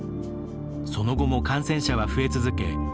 その後も感染者は増え続け